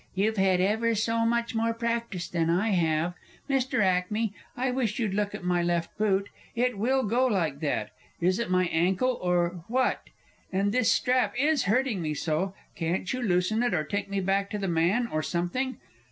You've had ever so much more practice than I have! Mr. Ackmey, I wish you'd look at my left boot it will go like that. Is it my ankle or what? And this strap is hurting me so! Couldn't you loosen it, or take me back to the man, or something?